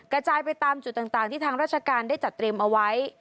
กระจายไปตามจุดต่างที่ทางราชการได้จัดเตรียมเอาไว้